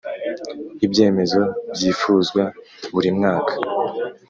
ibyemezo byifuzwa burimwaka.